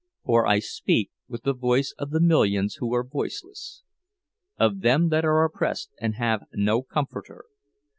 For I speak with the voice of the millions who are voiceless! Of them that are oppressed and have no comforter!